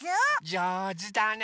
じょうずだね。